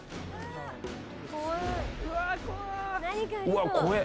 うわ、怖え。